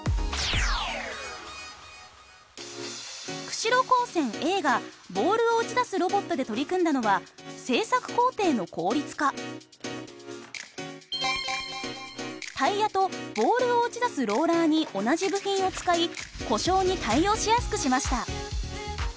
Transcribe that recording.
釧路高専Ａがボールを打ち出すロボットで取り組んだのはタイヤとボールを打ち出すローラーに同じ部品を使い故障に対応しやすくしました。